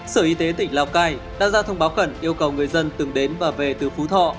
sở y tế tỉnh lào cai đã ra thông báo khẩn yêu cầu người dân từng đến và về từ phú thọ